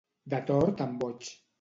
De tort en boig.